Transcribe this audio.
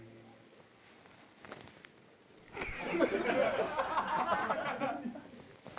「フフフフ！」